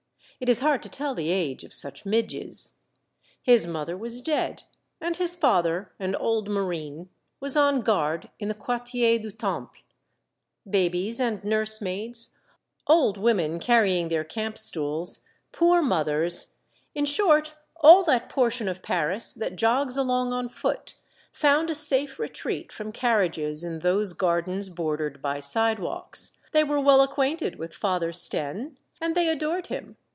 It is hard to tell the age of such midges. His mother was dead, and his father, an old marine, was on guard in the Quartier du Temple. Babies and nursemaids, old women carrying their camp stools, poor mothers, in short, all that portion of Paris that jogs along on foot, found a safe retreat from carriages in those gardens bordered by sidewalks ; they were well acquainted with Father Stenne, and they adored him.